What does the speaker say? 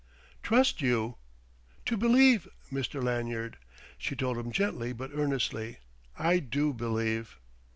"Trust you!" "To believe ... Mr. Lanyard," she told him gently but earnestly, "I do believe."